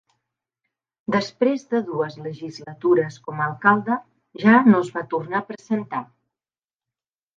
Després de dues legislatures com alcalde ja no es va tornar a presentar.